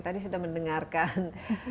tadi sudah mendengarkan